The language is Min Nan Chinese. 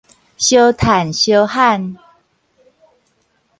相趁相喊